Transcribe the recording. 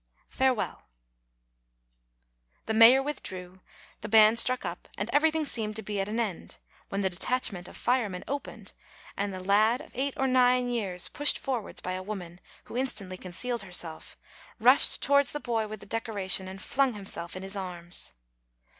Farewell !" The mayor withdrew, the band struck up, and every thing seemed to be at an end, when the detachment of firemen opened, and a lad of eight or nine years, pushed forwards by a woman who instantly concealed herself, rushed towards the boy with the decoration, and flung himself in his arms.